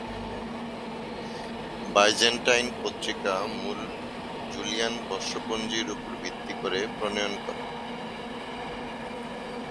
Byzantine পঞ্জিকা মুলত Julian বর্ষপঞ্জীর উপর ভিত্তি করে প্রণয়ন করা।